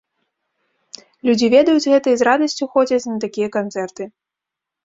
Людзі ведаюць гэта і з радасцю ходзяць на такія канцэрты.